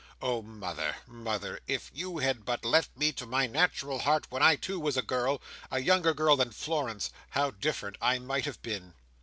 Oh mother, mother, if you had but left me to my natural heart when I too was a girl—a younger girl than Florence—how different I might have been!"